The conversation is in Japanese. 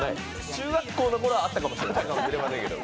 中学校のころはあったかもしれないですけど。